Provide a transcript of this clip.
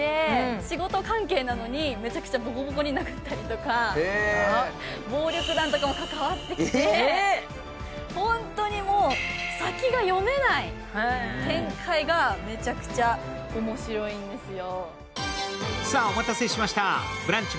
仕事関係なのに、めちゃくちゃボコボコに殴ったりとか暴力団とかも関わってきて本当に先が読めない展開がめちゃくちゃ面白いんですよ。